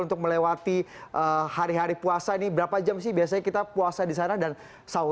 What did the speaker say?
untuk melewati hari hari puasa ini berapa jam sih biasanya kita puasa di sana dan sahur